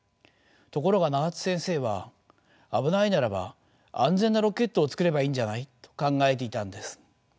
ところが永田先生は「危ないならば安全なロケットを作ればいいんじゃない？」と考えていたんです。